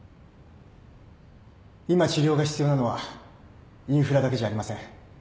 今治療が必要なのはインフラだけじゃありません。